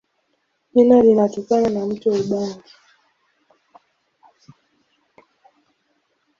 Jina linatokana na mto Ubangi.